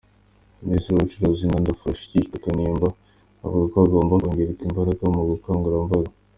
Minisitiri w’Ubucuruzi n’Inganda, Furasikwa Kanimba, avuga ko hagomba kongerwa imbaraga mu bukangurambaga.